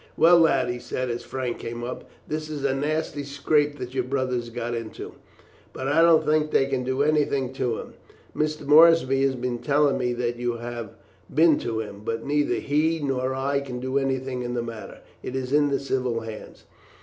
"Well, lad," he said, as Frank came up, "this is a nasty scrape that your brother has got into; but I don't think they can do anything to him. Mr. Moorsby has been telling me that you have been to him; but neither he nor I can do anything in the matter it is in the civil hands.